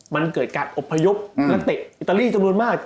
มันเกิดการอบพยพนักเตะอิตาลีจำนวนมาก